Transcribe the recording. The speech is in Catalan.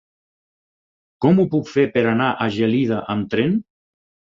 Com ho puc fer per anar a Gelida amb tren?